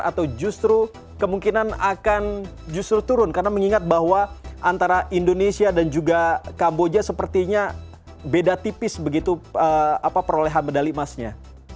atau justru kemungkinan akan justru turun karena mengingat bahwa antara indonesia dan juga kamboja sepertinya beda tipis begitu perolehan medali emasnya